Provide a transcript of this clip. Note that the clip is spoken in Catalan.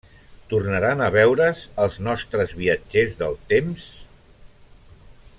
Tornaran a veure's els nostres viatgers del temps?